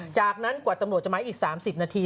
จากนั้นกว่าตำรวจจะไม้อีก๓๐นาที